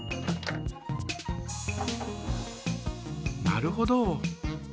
なるほど。